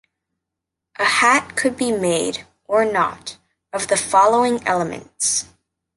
A hat could be made, or not, of the following elements.